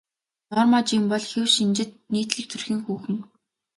Норма Жин бол хэв шинжит нийтлэг төрхийн хүүхэн.